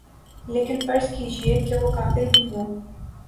لیکن فرض کیجیے کہ وہ کافر بھی ہوں۔